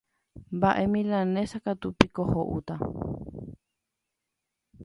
Mbaʼe milanesa katu piko hoʼúta.